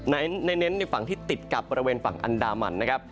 เน้นในฝั่งที่ติดกับบริเวณฝั่งอันดามันนะครับ